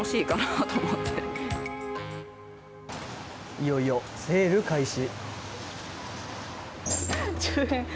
いよいよセール開始。